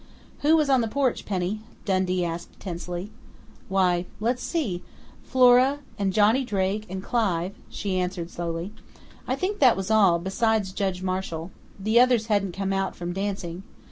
"Who was on the porch, Penny?" Dundee asked tensely. "Why, let's see Flora, and Johnny Drake, and Clive," she answered slowly. "I think that was all, besides Judge Marshall. The others hadn't come out from dancing....